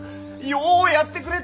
ようやってくれた！